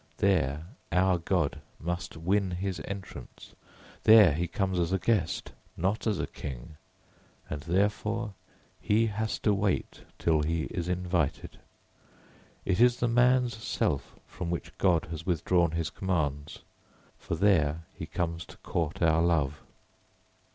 There our God must win his entrance. There he comes as a guest, not as a king, and therefore he has to wait till he is invited. It is the man's self from which God has withdrawn his commands, for there he comes to court our love.